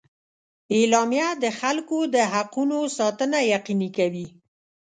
اعلامیه د خلکو د حقونو ساتنه یقیني کوي.